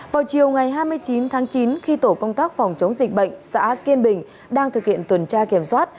vào chiều ngày hai mươi chín tháng chín khi tổ công tác phòng chống dịch bệnh xã kiên bình đang thực hiện tuần tra kiểm soát